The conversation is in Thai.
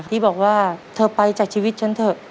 ที่บอกว่าเธอไปจากชีวิตฉันเถอะ